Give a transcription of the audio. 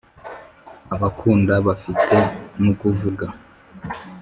abakunda bafite, nukuvuga,